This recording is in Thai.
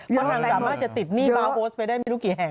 ผู้ชายสามารถจะติดนี่บาร์โฮสได้เกี่ยวเท่าอย่าง